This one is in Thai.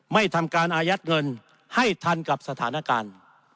ไม่ทำการอายัดเงินให้ทันกับสถานการณ์